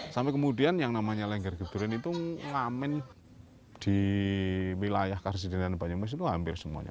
sampai kemudian yang namanya lengger geduren itu ngamen di wilayah karsiden dan banyumas itu hampir semuanya